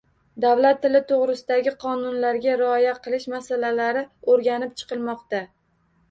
Davlat tili to‘g‘risidagi qonunlarga rioya qilish masalalari o'rganib chiqilmoqda.